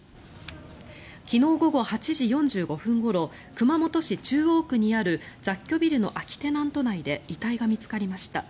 昨日午後８時４５分ごろ熊本市中央区にある雑居ビルの空きテナント内で遺体が見つかりました。